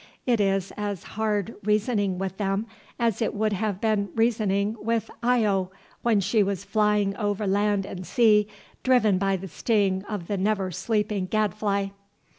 It is as hard reasoning with them as it would have been reasoning with Io, when she was flying over land and sea, driven by the sting of the never sleeping gadfly.